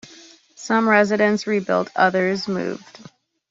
Some residents rebuilt, others moved.